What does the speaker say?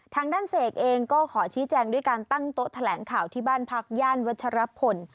ทางด้านเสกเองก็ขอชี้แจงด้วยการตั้งโต๊ะแถลงข่าวที่บ้านพักย่านวัชรพล